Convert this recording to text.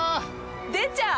出ちゃう！